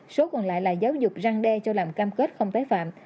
số còn lại là giáo dục răng đe cho làm cam kết không tái phạm